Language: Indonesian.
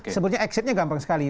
sebetulnya exitnya gampang sekali